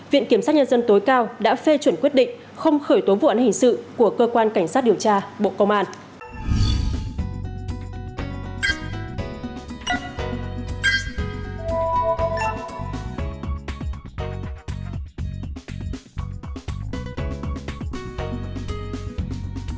viện kiểm sát nhân dân tối cao đã phê chuẩn quyết định không khởi tố vụ án hình sự của cơ quan cảnh sát điều tra bộ công an